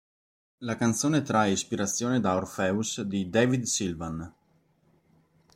La canzone trae ispirazione da "Orpheus" di David Sylvian.